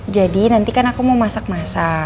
jadi nanti kan aku mau masak masak